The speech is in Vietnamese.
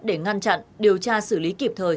để ngăn chặn điều tra xử lý kịp thời